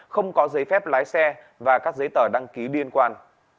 không có giấy phép lái xe và các giấy tờ đăng ký liên quan